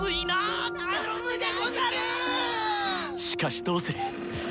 しかしどうする？